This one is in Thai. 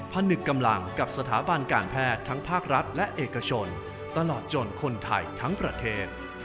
ผนึกกำลังกับสถาบันการแพทย์ทั้งภาครัฐและเอกชนตลอดจนคนไทยทั้งประเทศ